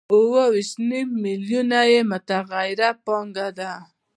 او اوه ویشت نیم میلیونه یې متغیره پانګه ده